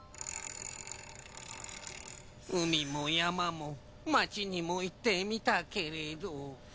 うみもやまもまちにもいってみたけれど。